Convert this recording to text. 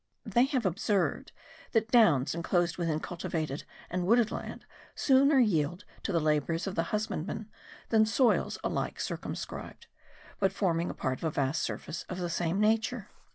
They have observed that downs enclosed within cultivated and wooded land sooner yield to the labours of the husbandman than soils alike circumscribed, but forming part of a vast surface of the same nature.